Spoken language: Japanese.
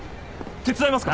手伝いますか？